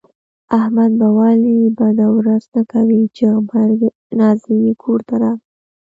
احمد به ولې بده ورځ نه کوي، چې غبرگې جنازې یې کورته راغلې.